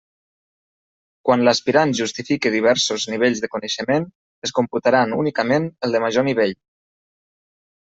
Quan l'aspirant justifique diversos nivells de coneixement es computaran únicament el de major nivell.